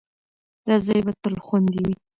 دا ځای به تل خوندي وي.